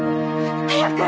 早く！